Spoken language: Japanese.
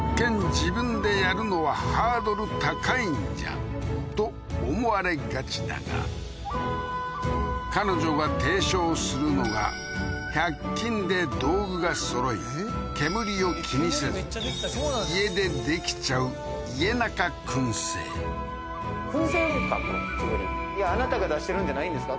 自分でやるのはハードル高いんじゃ？と思われがちだが彼女が提唱するのが１００均で道具がそろい煙を気にせず家で出来ちゃうイエナカ燻製燻製のかこの煙いやあなたが出してるんじゃないんですか？